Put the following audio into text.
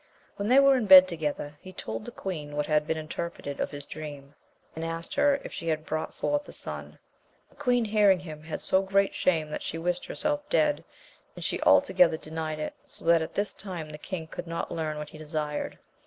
When they were in bed together, he told the queen what had been interpreted of his dream, and asked her if she had brought forth a son. The queen hearing him, had so great shame that she wished herself dead^ * and she altogether denied it, so that at this time the king could not learn what hedesired.